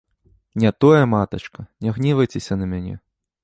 Не тое, матачка, не гневайцеся на мяне.